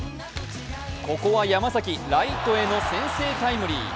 ここは山崎、ライトへの先制タイムリー。